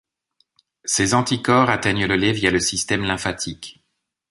Ces anticorps atteignent le lait via le système lymphatique.